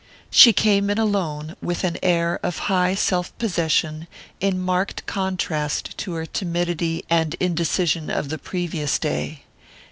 She came in alone, with an air of high self possession in marked contrast to her timidity and indecision of the previous day.